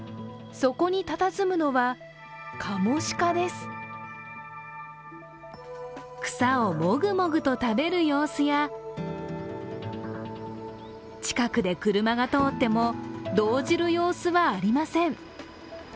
そこにたたずむのは、カモシカです草をもぐもぐと食べる様子や、近くで車が通っても動じる様子はありません。